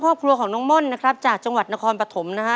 ครอบครัวของน้องม่อนนะครับจากจังหวัดนครปฐมนะฮะ